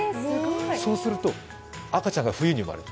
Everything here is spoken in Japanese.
そうすると赤ちゃんが冬に生まれる。